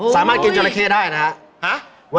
สามารถกินจราเข้ได้นะฮะ